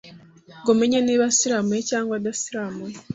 ngo menye niba asiramuye cyangwa adasiramuye.